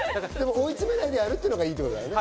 追い詰めないでやるのがいいってことだね。